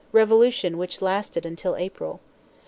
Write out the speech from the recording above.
Revolution which lasted until April.